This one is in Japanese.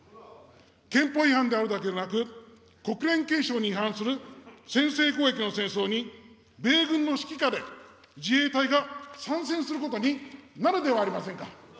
憲法違反であるだけでなく、国連憲章に違反する、先制攻撃の戦争に、米軍の指揮下で自衛隊が参戦することになるではありませんか。